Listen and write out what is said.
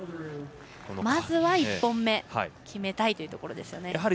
まずは１本目決めたいところですね。